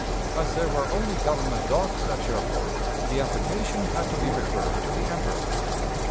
As there were only government docks at Cherbourg, the application had to be referred to the Emperor.